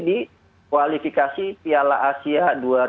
di kualifikasi piala asia dua ribu dua puluh